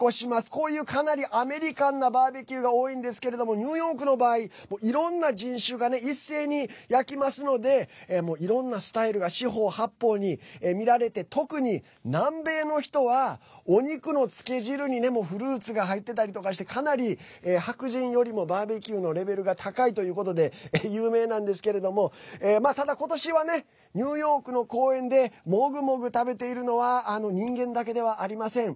こういう、かなりアメリカンなバーベキューが多いんですけれどもニューヨークの場合いろんな人種が一斉に焼きますのでいろんなスタイルが四方八方に見られて特に、南米の人はお肉のつけ汁にフルーツが入ってたりとかしてかなり白人よりもバーベキューのレベルが高いということで有名なんですけれどもただ、ことしはニューヨークの公園でもぐもぐ食べているのは人間だけではありません。